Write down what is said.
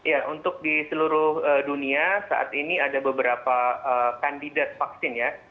ya untuk di seluruh dunia saat ini ada beberapa kandidat vaksin ya